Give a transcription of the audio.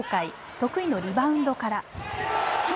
得意のリバウンドから。